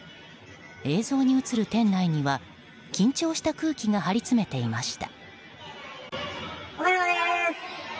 映像に映る店内には緊張した空気が張りつめていました。